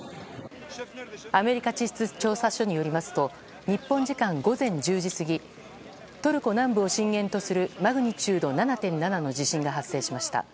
アメリカ地質調査所によりますと日本時間午前１０時過ぎトルコ南部を震源とするマグニチュード７．７の地震が発生しました。